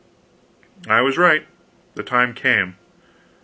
I was right. The time came.